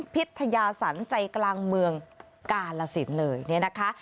พิทยาสรรใจกลางเมืองกาลสินเลยเนี่ยนะคะ